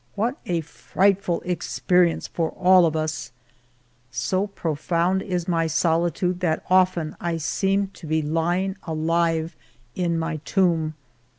What a frightful experience for all of us !... So profound is my solitude that often I seem to be lying alive in my tomb.